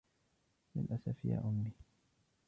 للاسف يا أمي.